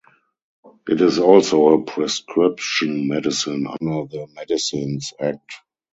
It is also a prescription medicine under the Medicines Act.